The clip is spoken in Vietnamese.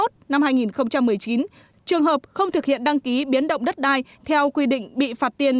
trường hợp không thực hiện đăng ký biến động đất đai theo quy định bị phạt tiền